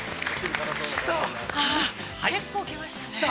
◆結構きましたね。